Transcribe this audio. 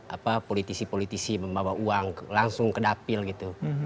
apa politisi politisi membawa uang langsung ke dapil gitu